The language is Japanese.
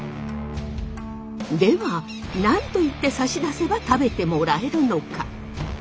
では何と言って差し出せば食べてもらえるのか？